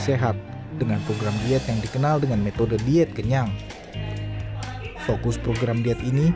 sehat dengan program diet yang dikenal dengan metode diet kenyang fokus program diet ini